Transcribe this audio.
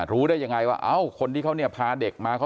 รู้ได้ยังไงว่าเอ้าคนที่เขาเนี่ยพาเด็กมา